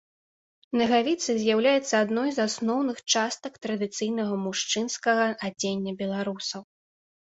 Нагавіцы з'яўляюцца адной з асноўных частак традыцыйнага мужчынскага адзення беларусаў.